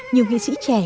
nhiều nghị sĩ trẻ